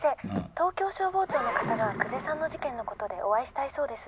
☎東京消防庁の方が久世さんの事件のことで☎お会いしたいそうです